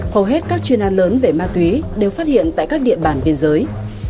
hầu hết các chuyên an lớn về ma túy đều phát hiện tại các địa bàn biên giới